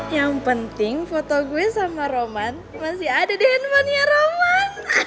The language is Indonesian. yang penting foto gue sama roman masih ada di handphonenya roman